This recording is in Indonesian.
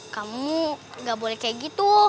kamu gak boleh kayak gitu